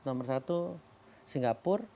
nomor satu singapura